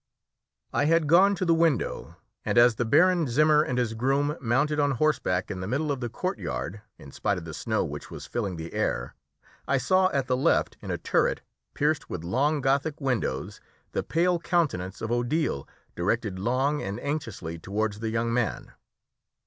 I had gone to the window, and as the Baron Zimmer and his groom mounted on horseback in the middle of the courtyard, in spite of the snow which was filling the air, I saw at the left in a turret, pierced with long Gothic windows, the pale countenance of Odile directed long and anxiously towards the young man.